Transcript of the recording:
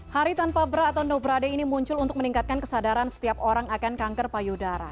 hari tanpa berat atau nobrade ini muncul untuk meningkatkan kesadaran setiap orang akan kanker payudara